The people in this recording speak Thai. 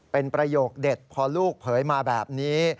เป็นประโยคเด็ดพอลูกเผยมาแบบนี้